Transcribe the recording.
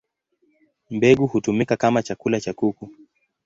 Mbegu hutumika kama chakula cha kuku.